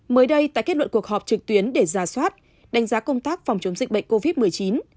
mới đây tại kết luận cuộc họp trực tuyến để ra soát đánh giá công tác phòng chống dịch bệnh covid một mươi chín